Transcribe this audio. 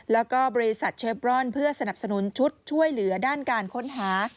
แล้วก็บริษัทเชฟรอนเพื่อสนับสนุนชุดช่วยเหลือด้านการค้นหา